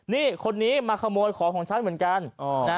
นี่คนนี้มาขโมยของของฉันเหมือนกัน